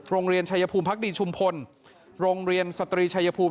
โรงเรียนชายภูมิพักดีชุมพลโรงเรียนสตรีชายภูมิ